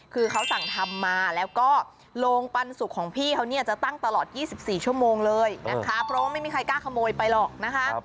คือเขาสั่งทำมาแล้วก็โรงปันสุกของพี่เขาเนี่ยจะตั้งตลอด๒๔ชั่วโมงเลยนะคะเพราะว่าไม่มีใครกล้าขโมยไปหรอกนะคะ